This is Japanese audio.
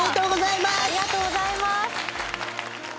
ありがとうございます！